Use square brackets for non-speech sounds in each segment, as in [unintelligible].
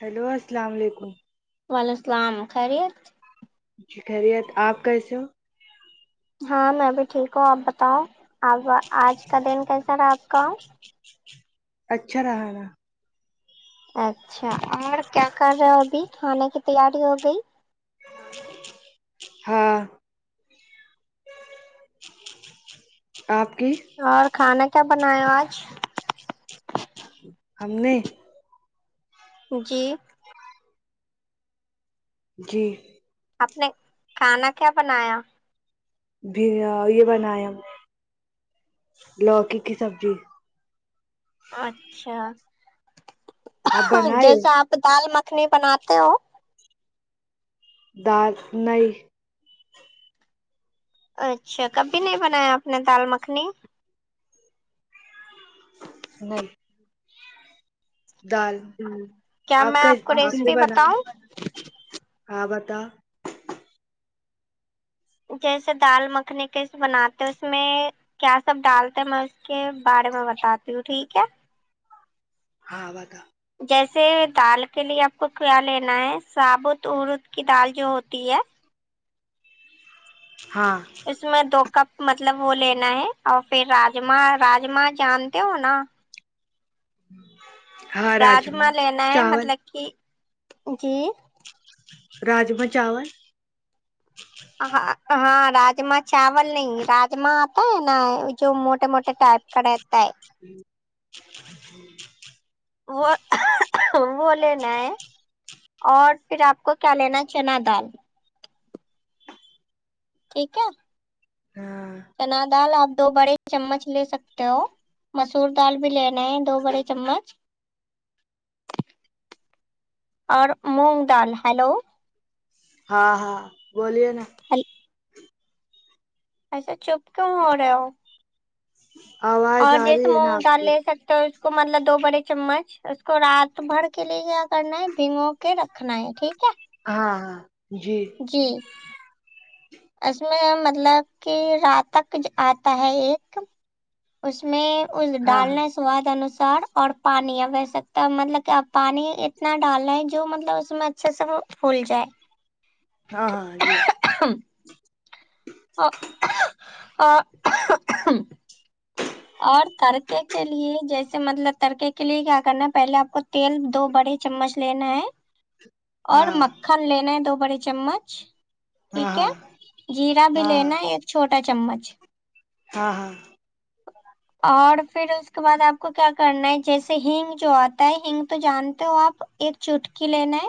hello السلام وعلیکم وعلیکم السلام خیریت جی خیریت آپ کیسے ہو ہاں میں بھی ٹھیک ہوں آپ بتاؤں اب آج کا دن کیسا رہا آپ کا اچھا رہا نا اچھا اور کیا کر رہے ہو ابھی کھانے کی تیاری ہو گئی ہاں آپ کی اور کھانا کیا بنائے ہو آج ہم نے جی جی آپ نے کھانا کیا بنایا بھریا یہ بنایا لوکی کی سبزی اچھا آپ بنائے ہو جیسے آپ دال مکھنی بناتے ہو دال نئی اچھا کبھی نہیں بنایا آپ نے دال مکھنی نہیں دال کیا آپ میں کا کو آپ نے ریسیپی بنایا بتاؤں ہاں بتاؤ جیسے دال مکھنی کیسے بناتے اس میں کیا سب ڈالتے میں اس کے بارے میں بتاتی ہوں ٹھیک ہے ہاں بتاؤ جیسے دال کے لیے آپ کو کیا لینا ہے ثابوت ارود کی دال جو ہوتی ہے ہاں اس میں دو کپ مطلب وہ لینا ہے اور پھر راجما راجاما جانتے ہو نا ہاں راجما لینا ہے مطلب کہ جی راجما چاول ہاں ہاں راجما چاول نہیں راجما آتا ہے نا جو موٹے موٹے ٹائپ کڑات ہے [unintelligible] وہ وہ لینا ہے اور پھر آپ کو کیا لینا ہے چنا دال ٹھیک ہے ہاں چنا دال آپ دو بڑے چمچ لے سکتے ہو مسور دال بھی لینا ہے دو بڑے چمچ اور مونگ دال ہیلو ہاں ہاں بولیے نا ہل اچھا چپ کیوں ہو رہا ہو آواز اور آ جیسے رہی ہے نا مونگ آپ دال کی لے سکتے ہو اس کو مطلب دو بڑے چمچ اس کو رات بھر کے لیے کیا کرنا ہے بھگو کے رکھنا ہے ٹھیک ہے ہاں ہاں جی جی اس میں مطلب کہ رات تک آتا ہے ایک اس میں اس ہاں ہاں ڈالنے سے سواد انوسار اور پانی اب ویسے تو مطلب کہ اپ پانی اتنا ڈال نا ہیں جو مطلب اس میں اچھا سب پھول جائے ہاں ہاں جی ہ ا آ اور ترکے کے لیے جیسے مطلب ترکے کے لیے کیا کرنا ہے پہلے آپ کو تیل دو بڑے چمچ لینا ہے اور ہاں مکھن لینا ہے دو بڑے چمچ ہاں ٹھیک ہے جیرا بھی ہاں لینا ایک چھوٹا چمچ ہاں ہاں اور پھر اس کے بعد آپ کو کیا کرنا ہے جیسے ہینگ جو آتا ہے ہینگ تو جانتے ہو آپ ایک چٹکی لینا ہے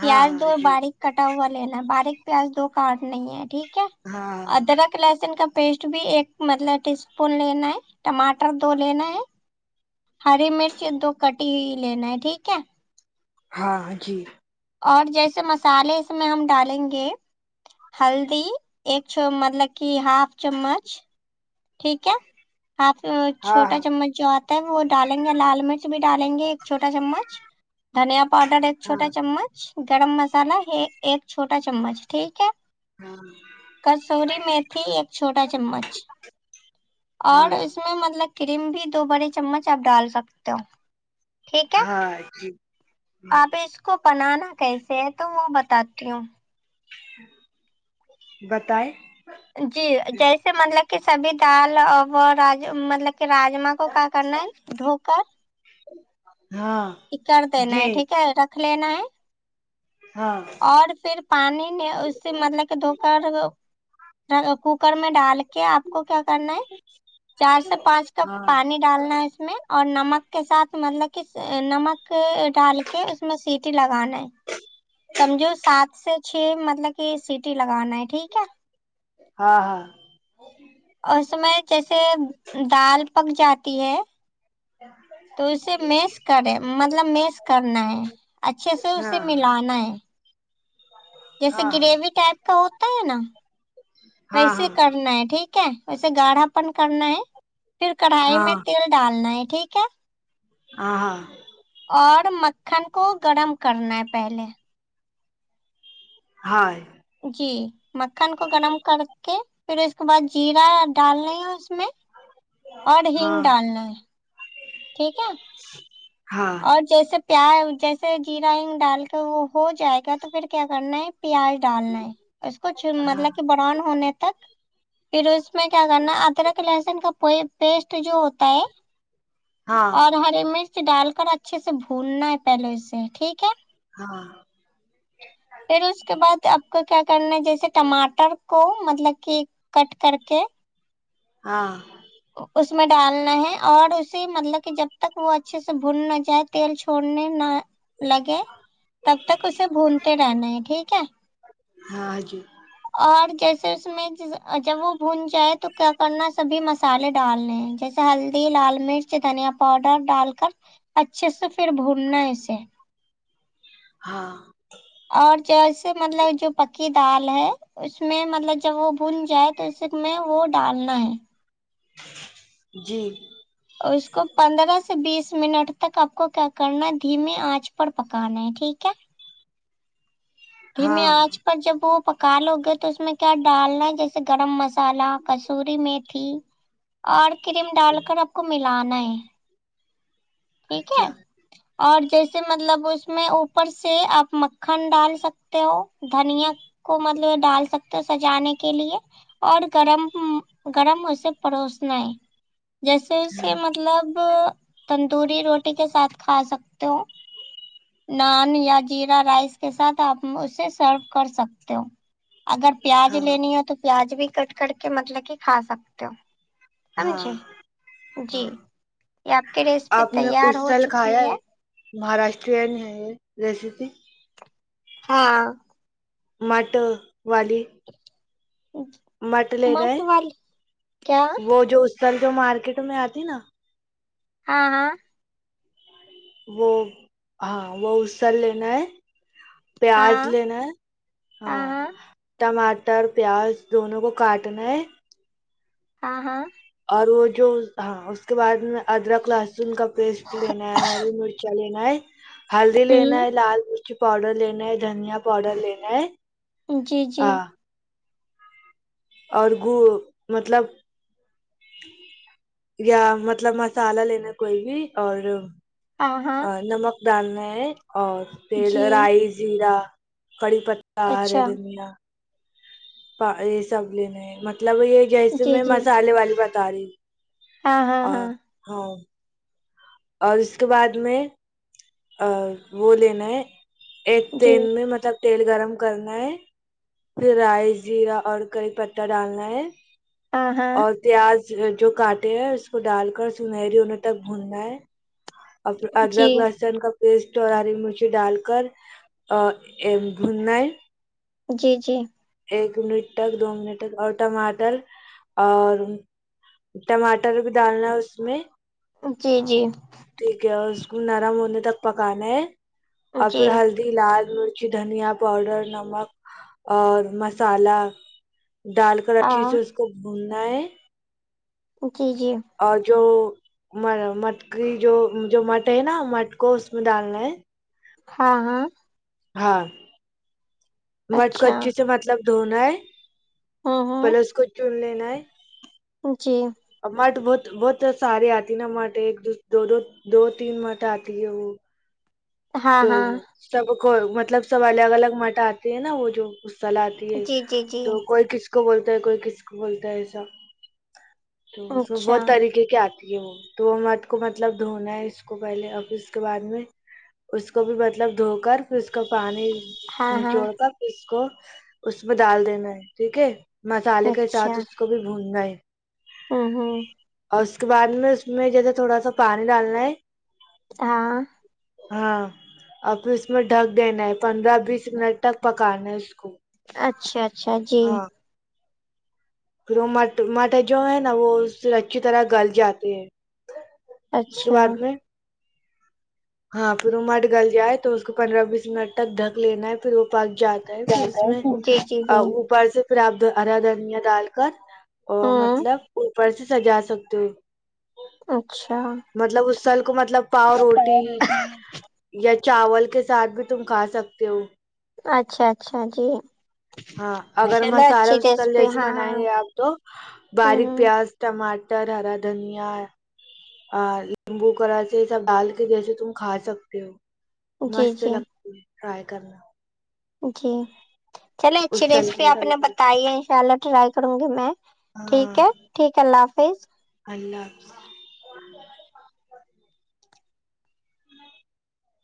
ہاں پیاز دو ہاں جی باریک کٹا ہوا لینا ہے باریک پیاز دو کاٹ نہیں ہے ٹھیک ہے ہاں ادرک لہسن کا پیسٹ بھی ایک مطلب ٹی اسپون لینا ہے ٹماٹر دو لینا ہے ہری مرچ دو کٹی ہوئی لینا ہے ٹھیک ہے ہاں جی اور جیسے مسالے اس میں ہم ڈالیں گے ہلدی ایک چ مطلب کی ہاف چمچ ٹھیک ہے ہاف ہاں چھوٹا چمچ جو آ تا وہ ڈالیں گے لال مرچ بھی ڈالیں گے ایک چھوٹا چمچ دھنیا پاؤڈر ایک چھوٹا ہاں چمچ گرم مسالا ایک چھوٹا چمچ ٹھیک ہے ہاں کسوروری میتھی ایک چھوٹا چمچ اور ہاں ہاں اس میں مطلب کریم بھی دو بڑے چمچ آپ ڈال سکتے ہو ٹھیک ہے ہاں جی آپ اس کو بنانا کیسے ہے تو وہ بتاتی ہوں بتائے جی جیسے مطلب کہ سبھی دال اور رج مطلب کہ راجما کو کا کر نا ہے دھوکر ہاں کر دینا جی ٹھیک ہے رکھ لین ہاں اور پھر پانی نے اس سے مطلب کہ دھو کر کوکر میں ڈال کے آپ کو کیا کرنا ہے چار سے پانچ کپ ہاں پانی ڈالنا اس میں اور نمک کے ساتھ مطلب کہ نمک ڈال کے کہ اس میں سیٹی لگانا ہے سمجھو سات سے چھ مطلب کہ سیٹی لگانا ہے ٹھیک ہے ہاں ہاں اور اس میں جیسے دال پک جاتی ہے [unintelligible] تو اسے میس کرے مطلب میس کرنا ہے اچھے سے اسے ہاں ملانا ہے جیسے ہاں گریوی ٹائپ کا ہوتا ہے نا ہاں ہاں ویسے کرنا ہے ٹھیک ہے ویسے گاڑھا پن کرنا ہے پھر کڑھائی میں تیل ڈالنا ہے ٹھیک ہے آ ہاں اور مکھن کو گرم کرنا ہے پہلے ہا جی مکھن کو گرم کر کے پھر اس کے بعد جیرا ڈالنا ہے اس میں اور ہنگ ہاں ڈالنا ہے ٹھیک ہے ہاں ہاں اور جیسے پیاز جیسے جیرا ہینگ ڈال کے وہ ہو جائے گا تو پھر کیا کرنا ہے پیاز ڈالنا ہے اس کو چن مطلب کہ براؤن ہونے تک پھر اس میں کیا کرنا ادرک لہسن کا پوئی پیسٹ جو ہوتا ہے ہاں اور ہری مرچ ڈال کر اچھے سے بھوننا ہے پہلے اس سے ٹھیک ہے ہاں پھر اس کے بعد آپ کو کیا کرنا ہے جیسے ٹماٹر کو مطلب کہ کٹ کر کے ہاں او اس میں ڈالنا ہے اور اسے مطلب کہ جب تک وہ اچھے سے بھن نہ جائے تیل چھوڑنے نہ لگے تب تک اسے بھونتے رہنا ہے ٹھیک ہے ہاں جی اور جیسے اس میں جب وہ بھون جائے تو کیا کرنا سبھی مس الے ڈالنے ہیں جیسے ہلدی لال مرچ دھنیا پاؤڈر ڈال کر اچھے سے پھر بھوننا ہے اسے ہاں اور جیسے مطلب جو پکی دال ہے اس میں مطلب جب وہ بھن جائے تو اس میں وہ ڈالنا ہے جی اور اس کو پندرہ سے بیس منٹ تک آپ کو کیا کرنا ہے دھیمیے آنچ پر پکانا ہے ٹھیک ہے دھیمی ہاں انچ پر جب وہ پکا لو گے تو اس میں کیا ڈالنا ہے جیسے گرم مسالح کسوری میتھی اور کریم ڈال کر آپ کو ملانا ہے ٹھیک ہے اچھا اور جیسے مطلب اس میں اوپر سے آپ مکھن ڈال سکتے ہو دھنیا کو مطلب یہ ڈال سکتے ہو سجانے کے لیے اور گرم گرم اسے پروسنا ہے جیسے اسے مطلب تندوری روٹی کے ساتھ کھا سکتے ہو نان یا جیرا رائس کے ساتھ آپ اسے سرو کر سکتے ہو اگر پیاز ہاں لینی ہو تو پیاز بھی کٹ کر کے مطلب کہ کھا سکتے ہو ہاں جی جی ہاں یے آپ کے دیسی آپ نے اس سال کھایا ہے مہاراشٹرین ہے یہ ریسیپی ہاں مٹ والی مٹ لے رہے مت والی کیا وہ جو اسر جو مارکیٹ میں آتی نا ہاں ہاں وہ ہاں وہ اسل لینا ہے پیاز ہاں لینا ہے ہاں ٹماٹر پیاز دونوں کو کاٹنا ہے ہاں ہاں اور وہ جو ہاں اس کے بعد میں ادرک لہسن کا پیسٹ لینا ہے ہری مرچا لینا ینا ہلدی لینا ہے ہوں لال مرچی پاؤڈر لینا ہے دھنیا پاؤڈر لینا ہے جی جی ہاں اور گ مطلب یا مطلب مسالہ لینا کوئی بھی اور ہاں ہاں ا نمک ڈالنا ہے اور تیل جی رائی زیرا کڑی پ تا ہرے اچھا دھنیا یہ سب لیینا ہے مطلب یہ جیسے جی میں جی مسالے والی بتا رہی ہ ہاں ہاں آ ہاں ہاں اور اس کے بعد میں ا وہ لینا ہے ایک جی تیل میں مطلب تیل گرم کرنا ہے پھر رائس زیرا اور کری پتا ڈالنا ہے ہاں ہاں اور پیاز جو کاٹے ہیں اس کو ڈال کر سنہری ہونے تک بھوننا ہے اور پھر جی ادرک لہسن کا پیسٹ اور ہری مرچی ڈال کر ا بھننا ہے جی جی ایک منٹ تک دو منٹ تک اور ٹماٹر اور ٹماٹر بھی ڈالنا ہے اس میں جی جی ٹھیک ہے اور اس کو نرم ہونے تک پکانا ہے ہاں اور پھر ہلدی لال مرچی دھنیا پاؤڈر نمک اور مسالہ ڈال کر اچھی سے اس کو بھوننا ہے جی جی اور جو م مٹ کی جو جو مٹ ہے نا مٹ کو اس میں ڈالنا ہے ہاں ہاں ہاں مٹ کو اچھا اچھے سے مطلب دھونا ہے ہوں پہلے اس کو چون لینا ہے جی اورمٹ بہت بہت سارے آتی ہے نا مٹ ایک دو دو دو تین مٹ آتی ہے وہ ہاں تو ہاں سب کو مطلب سب الگ الگ مٹ آتے ہیں نا وہ جو چلا آتی ہے جی جی جی تو کوئی کسی ک کو بولتا ہے کوئی کس کو بولتا ہے ایسا تو اچھا بہت طریقے کے آتے وہ تو مٹ کو مطلب دھونا ہے اس کو پہلے اور پھر اس کے بعد میں اس کو بھی مطلب دھو کر پھر اس کو پانی ہاں ہاں نچوڑ کر اس کو اس میں ڈال دینا ہے ٹھیک ہے مسالے کے ساتھ اس کو بھی بھوننا ہے ہاں ہاں اور اس کے بعد میں اس میں جیسے تھوڑا سا پانی ڈالنا ہے ہاں ہاں اور پھر اس میں ڈھک دینا ہے پندرہ بیس منٹ تک پکانا ہے اس کو اچھا اچھا جی ہاں پھر وه مٹ مٹ جو ہے نا وہ اس سے اچھی طرح گل جاتے ہیں اس کے اچھا بعد میں ہاں پھر وہ مٹ گل جائے تو اس کو پندرہ بیس منٹ تک ڈھک لینا ہے پھر وہ پک جاتا ہے پھر اس میں جی جی اہ او جی اوپر سے پھر آپ ہرا دھنیا ڈال کر ہوں مطلب اوپر سے سجا سکتے ہو اچھا مطلب اس سال کو مطلب پاؤ روٹی پیر یا چاول کے ساتھ بھی تم کھا سکتے ہو اچھا اچھا جی ہاں اگر چلو مسالہ اچھی وسال ریسیپی جیسی ہاں ہاں بنائیں گے آپ تو ہوں باریک پیاز ٹماٹر ہرا دھنیا اور لیمبو کراس یہ سب ڈال کے جیسے تم کھا سکتے ہو ہوں جی مست جی لگتی ہے ٹرائی کرنا جی چلے اچھی اسل ریسیپی کی آپ نے بتائی ہے انشاء اللہ ٹرائی کروں گی میں ٹھیک ہاں ہے ٹھیک ہے اللہ حافظ اللہ حافظ